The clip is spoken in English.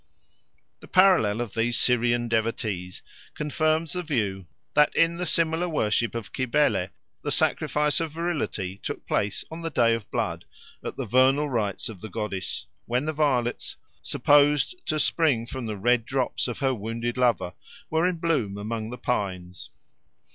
The parallel of these Syrian devotees confirms the view that in the similar worship of Cybele the sacrifice of virility took place on the Day of Blood at the vernal rites of the goddess, when the violets, supposed to spring from the red drops of her wounded lover, were in bloom among the pines.